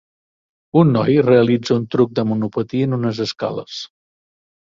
Un noi realitza un truc de monopatí en unes escales.